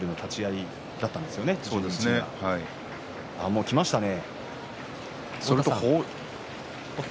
もう来ましたね。